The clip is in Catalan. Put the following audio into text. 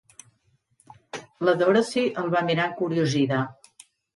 La Dorothy el va mirar encuriosida.